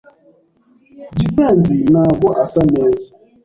Jivency ntabwo asa neza.